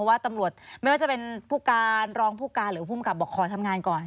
ว่าตำรวจไม่ว่าจะเป็นผู้การรองผู้การหรือภูมิกับบอกขอทำงานก่อน